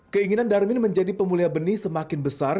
keinginan darmin menjadi pemulia benih semakin besar